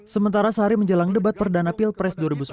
sementara sehari menjelang debat perdana pilpres dua ribu sembilan belas